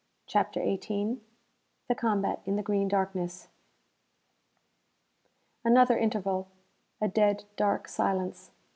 CHAPTER XVIII The Combat in the Green Darkness Another interval. A dead, dark silence.